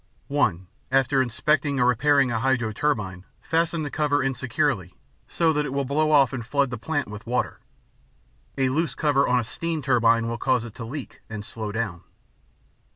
(1) After inspecting or repairing a hydro turbine, fasten the cover insecurely so that it will blow off and flood the plant with water. A loose cover on a steam turbine will cause it to leak and slow down.